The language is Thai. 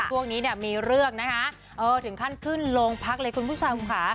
ช่วงนี้เนี่ยมีเรื่องนะคะถึงขั้นขึ้นโรงพักเลยคุณผู้ชมค่ะ